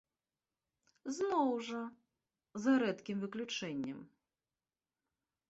Зноў жа, за рэдкім выключэннем.